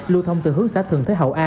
lưu thông từ hướng xã thường thế hậu a